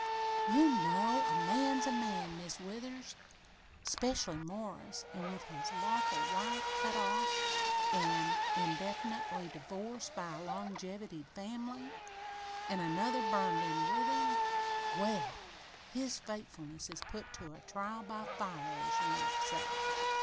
"You know, a man's a man, Mis' Withers 'specially Morris, an' with his lawful wife cut off an' indefinitely divorced by a longevitied family an' another burned in with him well, his faithfulness is put to a trial by fire, as you might say.